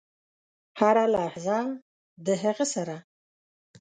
هره لحظه د هغه سره .